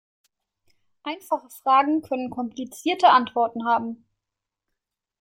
Einfache Fragen können komplizierte Antworten haben.